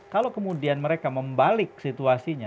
kalau kemudian mereka membalik situasinya